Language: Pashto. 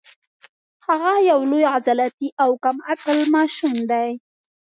هغه یو لوی عضلاتي او کم عقل ماشوم دی